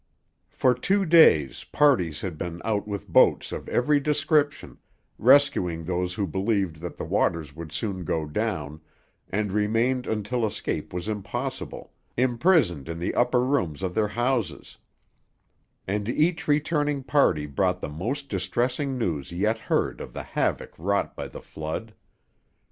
For two days parties had been out with boats of every description, rescuing those who believed that the waters would soon go down, and remained until escape was impossible, imprisoned in the upper rooms of their houses; and each returning party brought the most distressing news yet heard of the havoc wrought by the flood.